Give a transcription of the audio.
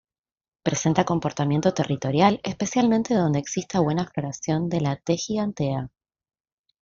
Presenta comportamiento territorial especialmente donde exista buena floración de "T. gigantea".